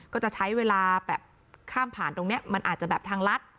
ก็จะใช้เวลาแบบข้ามผ่านตรงนี้มันอาจจะแบบทางลัด